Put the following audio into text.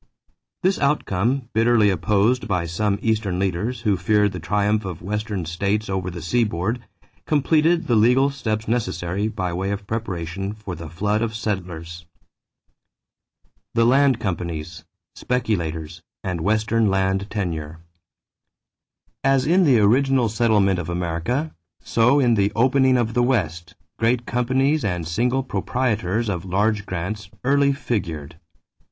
This outcome, bitterly opposed by some Eastern leaders who feared the triumph of Western states over the seaboard, completed the legal steps necessary by way of preparation for the flood of settlers. =The Land Companies, Speculators, and Western Land Tenure.= As in the original settlement of America, so in the opening of the West, great companies and single proprietors of large grants early figured.